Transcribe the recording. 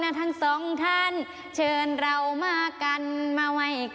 น้ำตาตกโคให้มีโชคเมียรสิเราเคยคบกันเหอะน้ำตาตกโคให้มีโชค